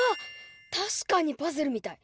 確かにパズルみたい！